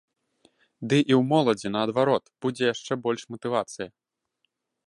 Ды і ў моладзі, наадварот, будзе яшчэ больш матывацыя.